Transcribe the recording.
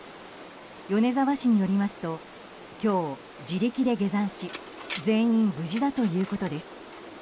米沢市によりますと今日、自力で下山し全員無事だということです。